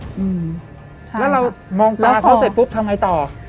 แล้วเรามองตาเขาเสร็จปุ๊บทำไงต่อ